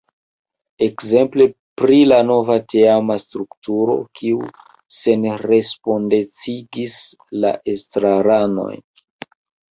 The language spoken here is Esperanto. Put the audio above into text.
Ekzemple pri la nova teama strukturo, kiu senrespondecigis la estraranojn.